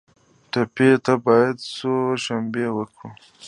ټپي ته باید خوشبیني ورکړو.